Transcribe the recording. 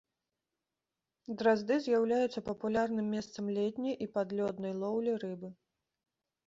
Дразды з'яўляюцца папулярным месцам летняй і падлёднай лоўлі рыбы.